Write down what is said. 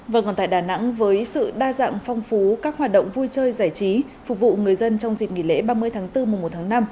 vâng còn tại đà nẵng với sự đa dạng phong phú các hoạt động vui chơi giải trí phục vụ người dân trong dịp nghỉ lễ ba mươi tháng bốn mùa một tháng năm